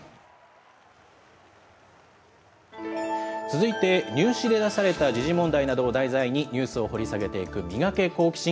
続いて、入試で出された時事問題などを題材に、ニュースを掘り下げていく、ミガケ、好奇心！